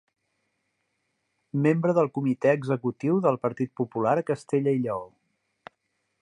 Membre del Comitè Executiu del Partit Popular a Castella i Lleó.